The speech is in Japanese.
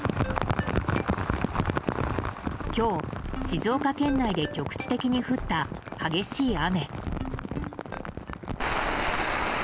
今日、静岡県内で局地的に降った激しい雨。